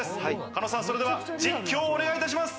狩野さん、それでは実況をお願いします。